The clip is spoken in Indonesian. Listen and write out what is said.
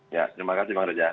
ya terima kasih bang reza